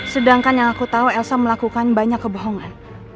sedangkan yang aku tahu elsa melakukan banyak kebohongan